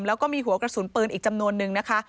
แล้วก็มีหัวกระสุนปืนอีกจำนวนนึงนะคะ